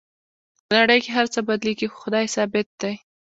په نړۍ کې هر څه بدلیږي خو خدای ثابت دی